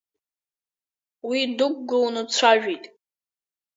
Уи дықәгыланы дцәажәеит.